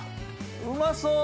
うまそう！